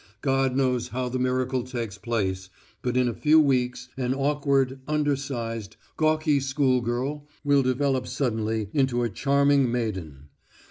God knows how the miracle takes place, but in a few weeks, an awkward, undersized, gawky schoolgirl will develop suddenly into a charming maiden.